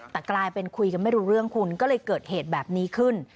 แต่กลายเป็นคุยกันไม่รู้เรื่องคุณก็เลยเกิดเหตุแบบนี้ขึ้น